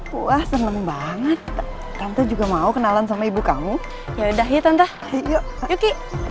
puas seneng banget tante juga mau kenalan sama ibu kamu ya udah ya tante yuk yuk